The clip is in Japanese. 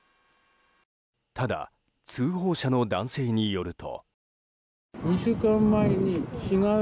ただ、通報者の男性によると。